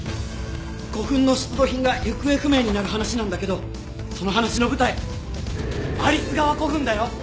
古墳の出土品が行方不明になる話なんだけどその話の舞台有栖川古墳だよ！